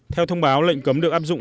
theo thông báo lệnh cấm được áp dụng